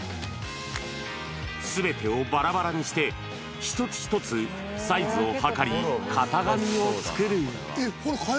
すべてをばらばらにして、一つ一つサイズを測り、型紙を作る。